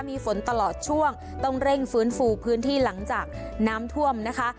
มีฝนตลอดช่วงต้องเร่งฟื้นฟูพื้นที่หลังจากน้ำท่วมนะคะ